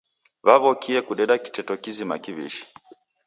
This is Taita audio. Waw'okie kudeda kiteto kizima kiw'ishi.